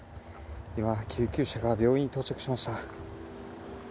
今、救急車が病院に到着しました。